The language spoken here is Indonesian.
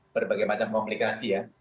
berbagai macam komplikasi ya